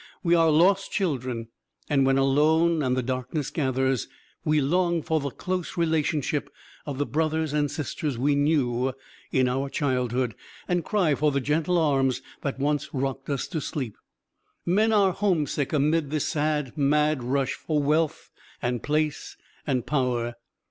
We are lost children, and when alone and the darkness gathers, we long for the close relationship of the brothers and sisters we knew in our childhood, and cry for the gentle arms that once rocked us to sleep. Men are homesick amid this sad, mad rush for wealth and place and power.